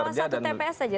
salah satu tps aja